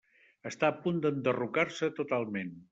Està a punt d'enderrocar-se totalment.